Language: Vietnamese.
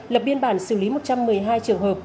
lập biên bản xử lý một trăm một mươi hai trường hợp